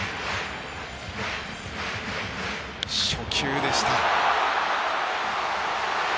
初球でした。